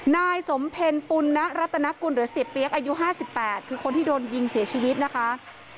นายสมเพ็ญปุณรัตนกุลหรือเสียเปี๊ยกอายุ๕๘คือคนที่โดนยิงเสียชีวิตนะคะ